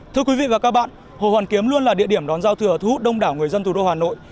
thưa quý vị và các bạn hồ hoàn kiếm luôn là địa điểm đón giao thừa thu hút đông đảo người dân thủ đô hà nội